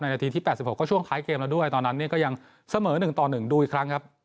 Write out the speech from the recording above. นาทีที่๘๖ก็ช่วงท้ายเกมแล้วด้วยตอนนั้นเนี่ยก็ยังเสมอ๑ต่อ๑ดูอีกครั้งครับ